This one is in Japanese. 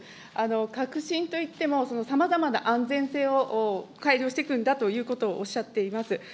革新といっても、さまざまな安全性を改良していくんだということをおっしゃっています。